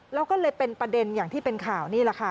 แล้วก็เลยเป็นประเด็นอย่างที่เป็นข่าวนี่แหละค่ะ